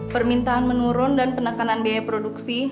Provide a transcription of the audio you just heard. permintaan menurun dan penekanan biaya produksi